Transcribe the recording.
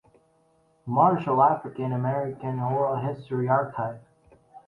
Marshall African American Oral History Archive.